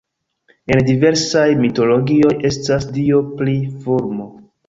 En diversaj mitologioj estas dio pri fulmo.